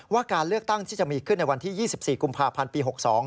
การเลือกตั้งที่จะมีขึ้นในวันที่๒๔กุมภาพันธ์ปี๖๒